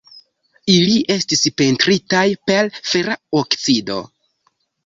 Ili estis pentritaj per fera oksido.